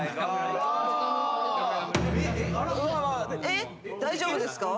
えっ大丈夫ですか？